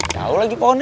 tahu lagi pohonnya